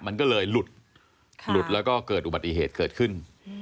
มันก็เลยหลุดหลุดแล้วก็เกิดอุบัติเหตุเกิดขึ้น